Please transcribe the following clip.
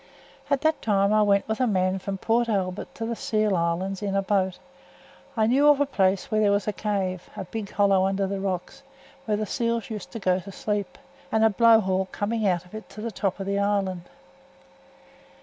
At that time I went with a man from Port Albert to the Seal Islands in a boat. I knew of a place where there was a cave, a big hollow under the rocks, where th' seals used to go to sleep, and a blow hole coming out of it to th' top of the island.